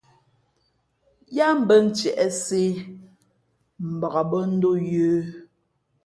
Yáá mbᾱ ntiēʼsē mbak bᾱ ndō yə̌.